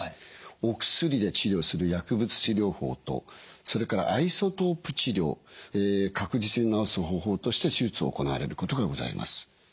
お薬で治療する薬物治療法とそれからアイソトープ治療確実に治す方法として手術を行われることがございます。